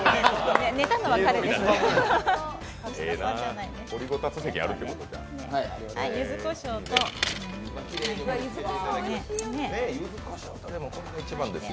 寝たのは彼です。